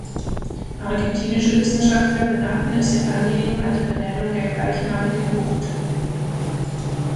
Argentinische Wissenschaftler benannten es in Anlehnung an die Benennung der gleichnamigen Bucht.